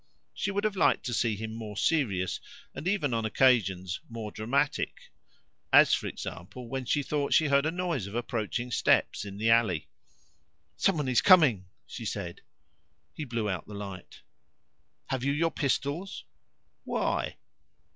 She would have liked to see him more serious, and even on occasions more dramatic; as, for example, when she thought she heard a noise of approaching steps in the alley. "Someone is coming!" she said. He blew out the light. "Have you your pistols?" "Why?"